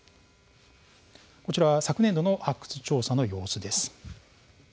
昨年度の発掘調査の様子です。